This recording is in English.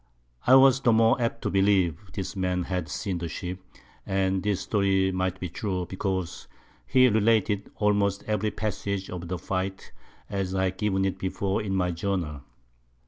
I was the more apt to believe this Man had seen the Ship, and this Story might be true, because he related almost every Passage of the Fight, as I have given it before in my Journal.